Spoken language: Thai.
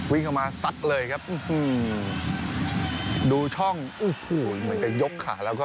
วิ่งเข้ามาซัดเลยครับดูช่องโอ้โหเหมือนจะยกขาแล้วก็